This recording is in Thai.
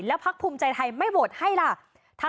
พักภูมิใจไทยไม่โหวตให้ล่ะ